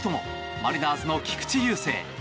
マリナーズの菊池雄星。